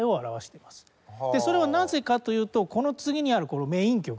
でそれはなぜかというとこの次にあるこのメイン曲。